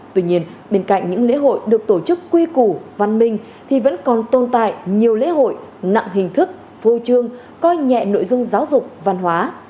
tuy nhiên bên cạnh những lễ hội được tổ chức quy củ văn minh thì vẫn còn tồn tại nhiều lễ hội nặng hình thức phô trương coi nhẹ nội dung giáo dục văn hóa